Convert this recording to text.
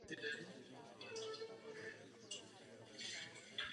Sloužilo například pro ubytování etiopských Židů během Operace Šalamoun.